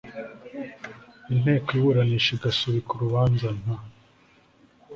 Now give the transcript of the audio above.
inteko iburanisha igasubika urubanza nta